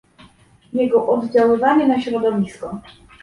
jego oddziaływanie na środowisko